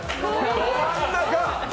ど真ん中。